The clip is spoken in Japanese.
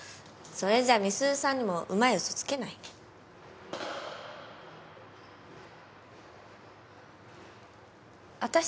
それじゃ美鈴さんにもうまい嘘つけないね。